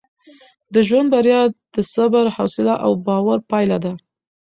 د ژوند بریا د صبر، حوصله او باور پایله ده.